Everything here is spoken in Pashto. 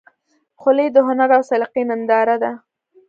خولۍ د هنر او سلیقې ننداره ده.